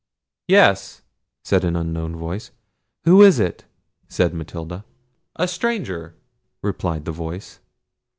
"Yes," said an unknown voice. "Who is it?" said Matilda. "A stranger," replied the voice.